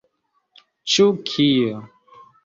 Ĉu kio?